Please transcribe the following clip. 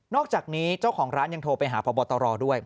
อกจากนี้เจ้าของร้านยังโทรไปหาพบตรด้วย